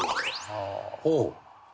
ほう。